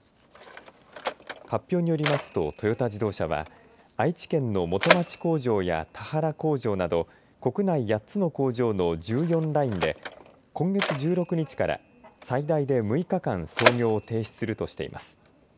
発表によりますとトヨタ自動車は愛知県の元町工場や田原工場など国内８つの工場の１４ラインで今月１６日から最大で６日間操業を停止するとしています。